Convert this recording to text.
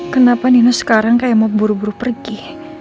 kenapa nino sekarang kayak mau buru buru pergi